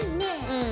うん。